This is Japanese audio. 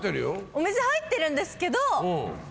お水入ってるんですけど。